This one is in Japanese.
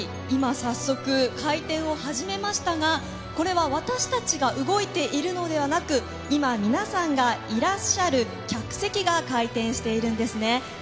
今早速回転を始めましたがこれは私たちが動いているのではなく今皆さんがいらっしゃる客席が回転しているんですね